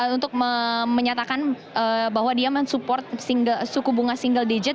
untuk menyatakan bahwa dia mensupport suku bunga single digit